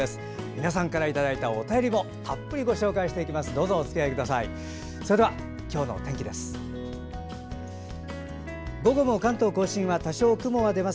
皆さんからいただいたお便りもたっぷりご紹介していきます。